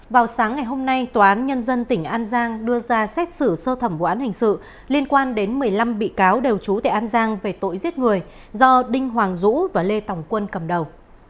vào sáng ngày hôm nay tòa án nhân dân tỉnh an giang đưa ra xét xử sơ thẩm vụ án hình sự liên quan đến một mươi năm bị cáo đều trú tại an giang về tội giết người do đinh hoàng dũ và lê tòng quân cầm đầu